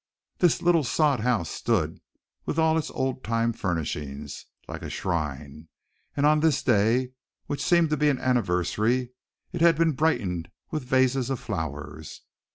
This little sod house stood with all its old time furnishings, like a shrine, and on this day, which seemed to be an anniversary, it had been brightened with vases of flowers.